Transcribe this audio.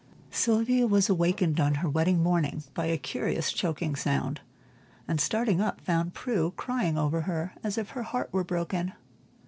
Sylvia was awakened on her wedding morning by a curious choking sound, and starting up found Prue crying over her as if her heart were broken.